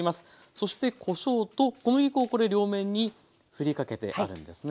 そしてこしょうと小麦粉をこれ両面にふりかけてあるんですね。